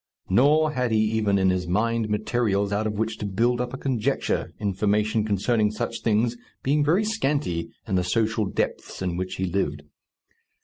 Nor had he even in his mind materials out of which to build up a conjecture, information concerning such things being very scanty in the social depths in which he lived.